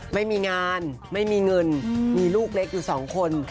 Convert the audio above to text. ไม่มีงานไม่มีเงินมีลูกเล็กอยู่สองคน